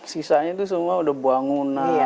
sisanya itu semua sudah bangunan terbuka